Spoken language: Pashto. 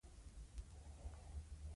هېواد د الله امانت دی.